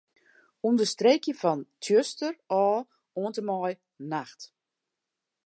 Understreekje fan 'tsjuster' ôf oant en mei 'nacht'.